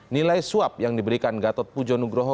nilai suap yang diberikan gatot pujo nugroho